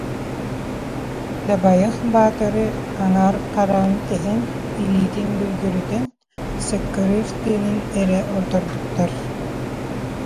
Дабайах Баатыры аҥаар хараҕын тэһэн, илиитин бүлгүрүтэн, сыккырыыр тыынын эрэ ордорбуттар